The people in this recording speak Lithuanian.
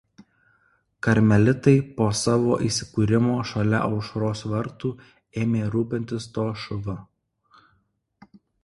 Karmelitai po savo įsikūrimo šalia Aušros Vartų ėmė rūpintis to šv.